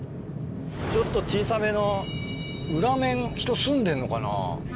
ちょっと小さめの裏面人住んでんのかな？